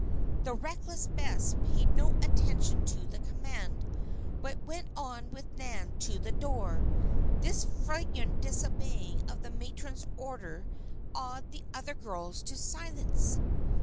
The reckless Bess paid no attention to the command, but went on with Nan to the door. This flagrant disobeying of the matron's order awed the other girls to silence.